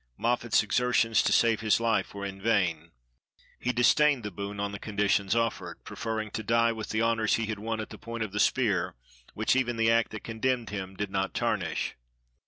Moffat's exertions to save his life were in vain. He disdained the boon on the conditions offered; prefer ring to die with the honors he had won at the point of the spear, which even the act that condemned him did not tarnish.